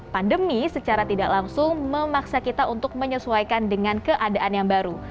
pandemi secara tidak langsung memaksa kita untuk menyesuaikan dengan keadaan yang baru